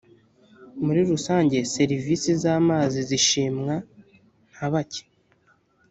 muri rusange serivisi z amazi zishimwa ntabake